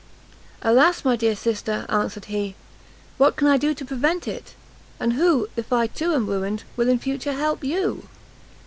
"Alas, my dear sister," answered he, "what can I do to prevent it? and who, if I too am ruined, will in future help you?"